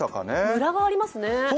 ムラがありますね。